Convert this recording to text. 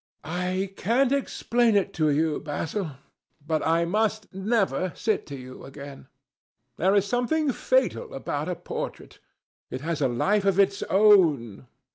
"I can't explain it to you, Basil, but I must never sit to you again. There is something fatal about a portrait. It has a life of its own.